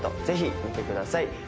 ぜひ見てください